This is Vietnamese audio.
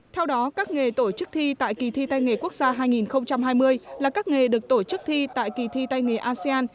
theo đó các nghề tổ chức thi tại kỳ thi tay nghề quốc gia hai nghìn hai mươi là các nghề được tổ chức thi tại kỳ thi tay nghề asean